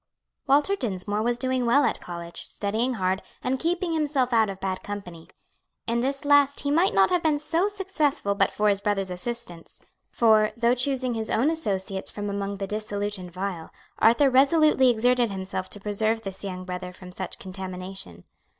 Walter Dinsmore was doing well at college, studying hard, and keeping himself out of bad company. In this last he might not have been so successful but for his brother's assistance; for, though choosing his own associates from among the dissolute and vile, Arthur resolutely exerted himself to preserve this young brother from such contamination.